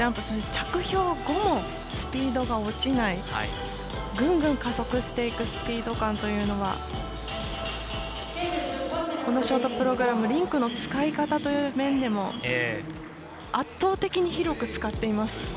そして、着氷後もスピードが落ちないグングン加速していくスピード感というのはこのショートリンクの使い方という面でも圧倒的、広く使っています。